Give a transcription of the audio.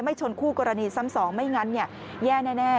ชนคู่กรณีซ้ำสองไม่งั้นแย่แน่